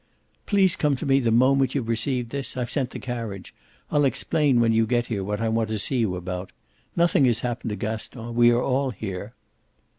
"Please come to me the moment you've received this I've sent the carriage. I'll explain when you get here what I want to see you about. Nothing has happened to Gaston. We are all here."